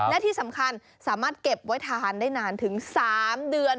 และที่สำคัญสามารถเก็บไว้ทานได้นานถึง๓เดือน